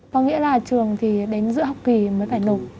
có nghĩa là trường thì đến giữa học kỳ mới phải nộp